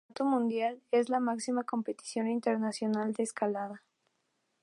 Tras el Campeonato Mundial, es la máxima competición internacional de escalada.